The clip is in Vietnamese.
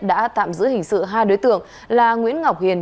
đã tạm giữ hình sự hai đối tượng là nguyễn ngọc hiền